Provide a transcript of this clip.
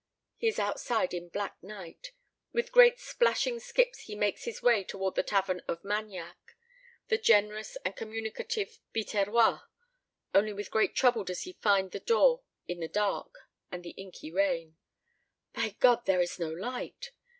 He is outside in black night. With great splashing skips he makes his way towards the tavern of Magnac, the generous and communicative Biterrois. Only with great trouble does he find the door in the dark and the inky rain. By God, there is no light!